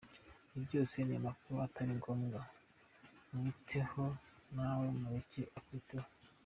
Ibi byose ni amakuru atari ngombwa, mwiteho nawe umureke akwiteho.